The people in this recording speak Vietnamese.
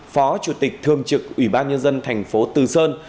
phó chủ tịch thường trực ủy ban nhân dân thành phố từ sơn